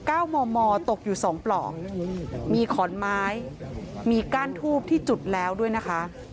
เก้ามอมอตกอยู่สองปลอกมีขอนไม้มีก้านทูบที่จุดแล้วด้วยนะคะ